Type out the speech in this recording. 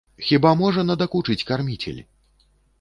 Хіба можа надакучыць карміцель!